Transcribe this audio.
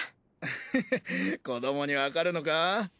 アハハ子どもにわかるのか？